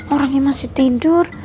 orangnya masih tidur